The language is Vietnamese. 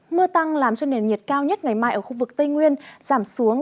mưa tăng làm cho nền nhiệt cao nhất ngày mai ở khu vực tây nguyên giảm xuống